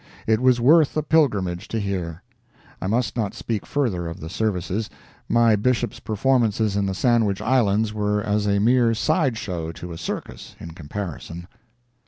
It was worth a pilgrimage to hear. I must not speak further of the services—my Bishop's performances in the Sandwich Islands were as a mere side show to a circus, in comparison.